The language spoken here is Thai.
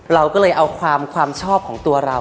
เราก็เลยเอาความชอบของตัวเรา